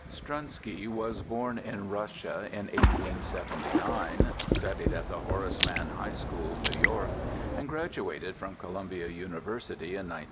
Strunsky was born in Russia in 1879; studied at the Horace Mann High School (New York) and graduated from Columbia University in 1900.